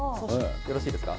よろしいですか。